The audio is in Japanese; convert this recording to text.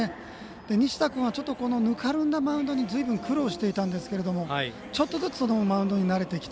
西田君は、ぬかるんだマウンドにずいぶん、苦労していたんですがちょっとずつそのマウンドに慣れてきた。